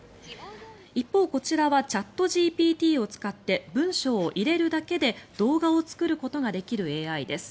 一方、こちらはチャットＧＰＴを使って文章を入れるだけで動画を作ることができるＡＩです。